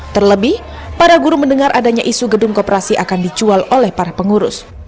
terlebih para guru mendengar adanya isu gedung koperasi akan dijual oleh para pengurus